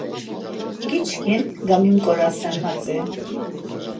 Giçkin, gamimğorasen, hatzi…